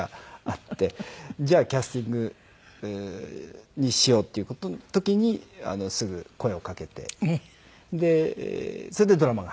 じゃあキャスティングにしようっていう時にすぐ声をかけてそれでドラマが始まりました。